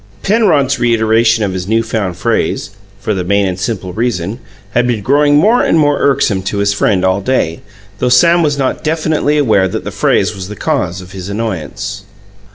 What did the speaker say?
Penrod's reiteration of his new found phrase, "for the main and simple reason", had been growing more and more irksome to his friend all day, though Sam was not definitely aware that the phrase was the cause of his annoyance.